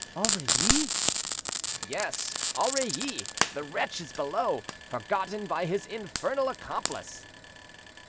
"Aurilly?" "Yes, Aurilly; the wretch is below, forgotten by his infernal accomplice."